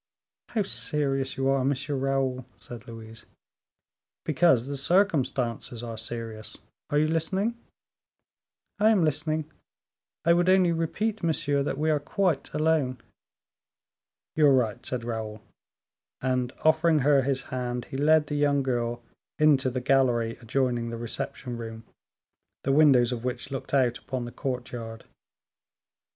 "How serious you are, M. Raoul!" said Louise. "Because the circumstances are serious. Are you listening?" "I am listening; I would only repeat, monsieur, that we are quite alone." "You are right," said Raoul, and, offering her his hand, he led the young girl into the gallery adjoining the reception room, the windows of which looked out upon the courtyard.